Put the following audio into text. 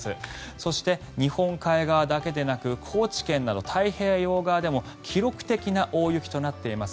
そして、日本海側だけでなく高知県など太平洋側でも記録的な大雪となっています。